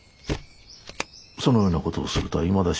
そのようなことをするとはいまだ信じられません。